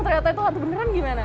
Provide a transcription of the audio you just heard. ternyata itu hantu beneran gimana